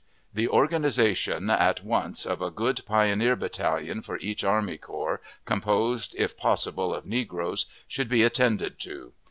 The organization, at once, of a good pioneer battalion for each army corps, composed if possible of negroes, should be attended to.